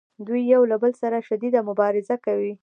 دوی یو له بل سره شدیده مبارزه کوي